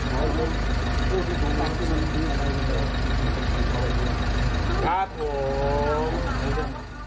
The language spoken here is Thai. ครับผม